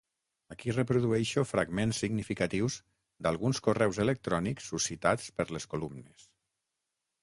Aquí reprodueixo fragments significatius d'alguns correus electrònics suscitats per les columnes.